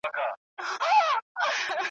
پکښي ناست به د ناحقه شاهدان ول `